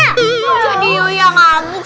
kok jadi iu yang ngamuk